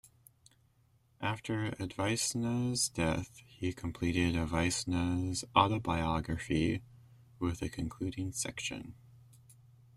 After Avicenna's death, he completed Avicenna's "Autobiography" with a concluding section.